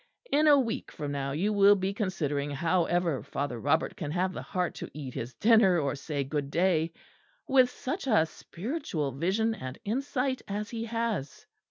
In a week from now you will be considering how ever Father Robert can have the heart to eat his dinner or say 'good day' with such a spiritual vision and insight as he has.